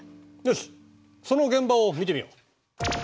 よしその現場を見てみよう。